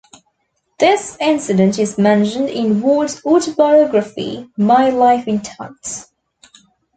This incident is mentioned in Ward's autobiography, "My Life in Tights".